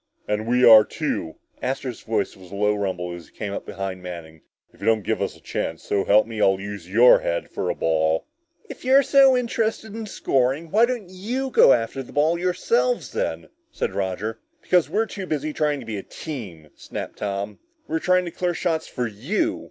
"And we are too!" Astro's voice was a low rumble as he came up behind Manning. "If you don't give us a chance, so help me, I'll use your head for a ball!" "If you're so interested in scoring, why don't you go after the ball yourselves then?" said Roger. "Because we're too busy trying to be a team!" snapped Tom. "We're trying to clear shots for you!"